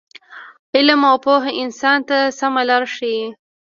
علم او پوهه انسان ته سمه لاره ښیي.